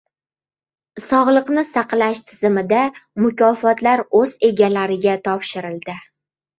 Sog‘liqni saqlash tizimida mukofotlar o‘z egalariga topshirildi